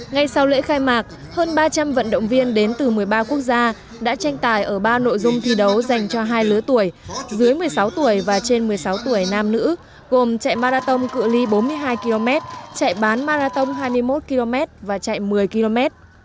ngay sau lễ khai mạc hơn ba trăm linh vận động viên đến từ một mươi ba quốc gia đã tranh tài ở ba nội dung thi đấu dành cho hai lứa tuổi dưới một mươi sáu tuổi và trên một mươi sáu tuổi nam nữ gồm chạy marathon cự li bốn mươi hai km chạy bán marathon hai mươi một km và chạy một mươi km